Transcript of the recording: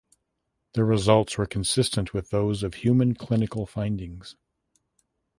The results were consistent with those of human clinical findings.